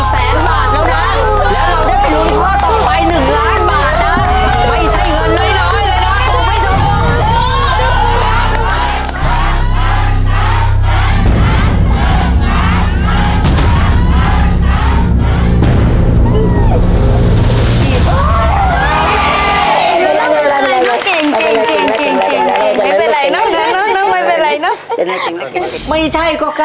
๑แสนบาทแล้วนะ